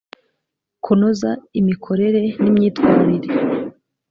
kunoza imikorere ni myitwarire